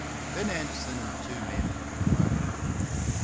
Then Anderson and the two men went away.